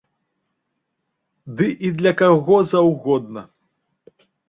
Ды і для каго заўгодна!